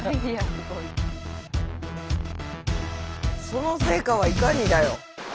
その成果はいかにだよ。